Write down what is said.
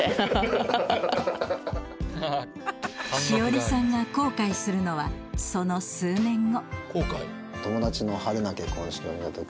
紫織さんが後悔するのはその数年後。